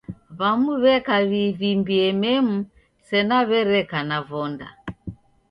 W'amu w'eka w'ivimbie memu sena w'ereka na vonda.